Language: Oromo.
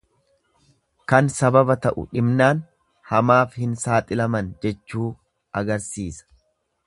Kan sababa ta'u dhibnaan hamaaf hin saaxilaman jechuu agarsiisa.